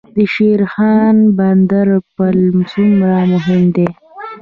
د شیرخان بندر پل څومره مهم دی؟